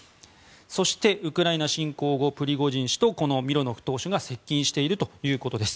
そして、ウクライナ侵攻後プリゴジン氏とこのミロノフ党首が接近しているということです。